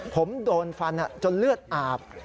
ผมโดนฟันจนเลือดอาบ